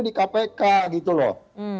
di kpk gitu loh